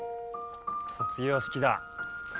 卒業式だ。